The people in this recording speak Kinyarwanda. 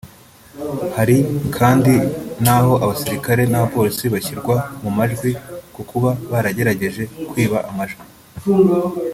Hari kandi n’aho abasirikare n’abapolisi bashyirwa mu majwi ku kuba baragerageje kwiba amajwi